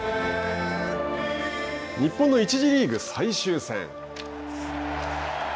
日本の１次リーグ最終戦。